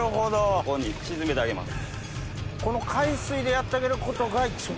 ここに沈めてあげます。